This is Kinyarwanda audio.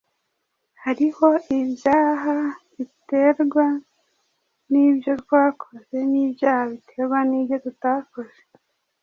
Hariho ibyaha biterwa n’ibyo twakoze, n’ibyaha biterwa n’ibyo tutakoze